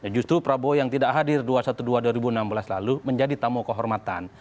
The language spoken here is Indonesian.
justru prabowo yang tidak hadir dua ratus dua belas dua ribu enam belas lalu menjadi tamu kehormatan